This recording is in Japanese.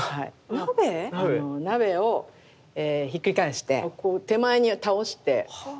鍋⁉鍋をひっくり返して手前に倒して。